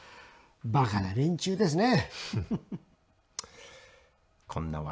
バカな連中ですね」